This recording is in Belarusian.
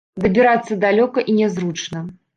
Дабірацца далёка і нязручна.